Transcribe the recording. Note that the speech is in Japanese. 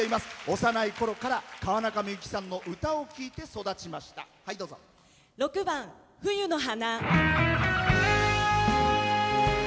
幼いころから川中美幸さんの歌を聴いて６番「冬の華」。